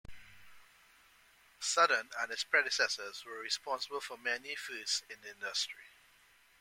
Southern and its predecessors were responsible for many firsts in the industry.